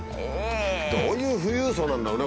どういう富裕層なんだろうね？